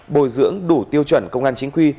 bồi dưỡng đủ tiêu chuẩn công an chính quy